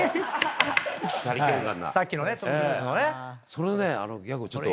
そのギャグをちょっと。